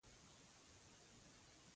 کاش چې دده تنباکو د دودولو پر ځای.